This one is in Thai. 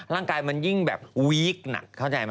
ร่างกายมันยิ่งแบบวีคหนักเข้าใจไหม